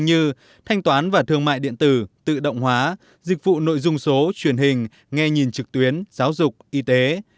như thanh toán và thương mại điện tử tự động hóa dịch vụ nội dung số truyền hình nghe nhìn trực tuyến giáo dục y tế